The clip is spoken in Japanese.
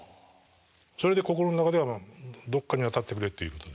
それで心の中ではどっかに当たってくれっていうことで。